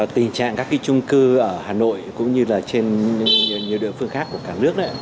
tình trạng các trung cư ở hà nội cũng như là trên địa phương khác của cả nước